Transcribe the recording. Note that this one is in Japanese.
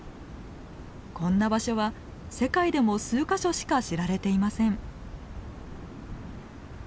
こんな場所は世界でも数か所しか知られていません。